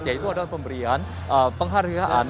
yaitu adalah pemberian penghargaan